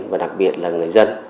và đặc biệt là người dân